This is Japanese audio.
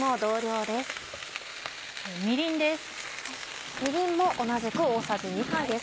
みりんです。